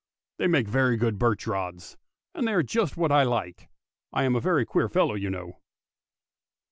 " They make very good birch rods, and they are just what I like. I am a very queer fellow, you know!